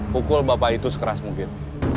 pukul bapak itu sekeras mungkin